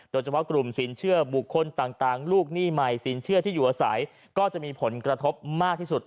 โดยเฉพาะกลุ่มสินเชื่อบุคคลต่างลูกหนี้ใหม่สินเชื่อที่อยู่อาศัยก็จะมีผลกระทบมากที่สุด